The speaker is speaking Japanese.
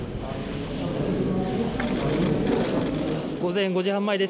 午前５時半前です。